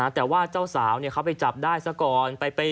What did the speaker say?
แต่ว่าเจ้าสาวเขาไปจับได้ซะก่อน